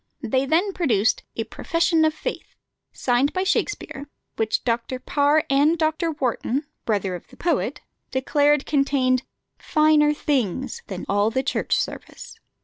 They then produced a "Profession of Faith," signed by Shakspere, which Dr. Parr and Dr. Warton (brother of the poet) declared contained "finer things" than all the Church Service.